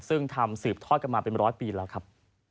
ซึ่งทำสืบทอดกันมาเป็นร้อยปีแล้วครับ